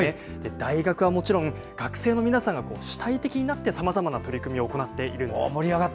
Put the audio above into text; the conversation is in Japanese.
大学はもちろん、学生の皆さんが主体的になってさまざまな取り組みを行っているんです。